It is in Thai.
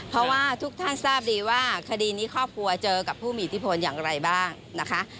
เพราะว่าทุกท่านทราบดีว่าคดีนี้ครอบครัวเจอกับผู้มีอิทธิพลอย่างไรบ้างนะคะ